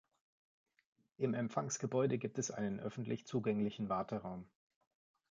Im Empfangsgebäude gibt es einen öffentlich zugänglichen Warteraum.